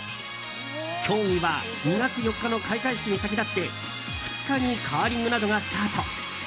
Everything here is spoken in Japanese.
競技は２月４日の開会式に先立って２日にカーリングなどがスタート。